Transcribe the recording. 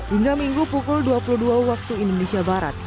hingga minggu pukul dua puluh dua waktu indonesia barat